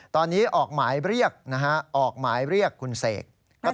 ตอนนี้ออกหมายเรียกนะฮะออกหมายเรียกคุณเสก